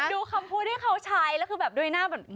ดูคำพูดที่เขาใช้แล้วคือแบบดูยหน้าแบบ